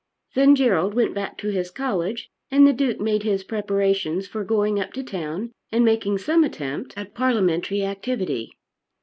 Then Gerald went back to his college, and the Duke made his preparations for going up to town and making some attempt at parliamentary activity.